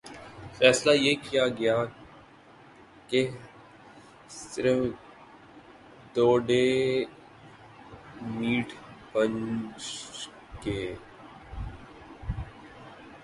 فیصلہ یہ کیا گیا کہہ صرف دو ڈے میٹھ بن ج گے